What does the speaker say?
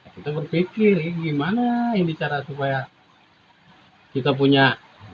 kita berpikir bagaimana cara supaya kita memiliki